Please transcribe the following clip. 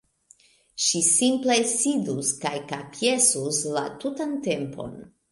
Ŝi simple sidus kaj kapjesus la tutan tempon.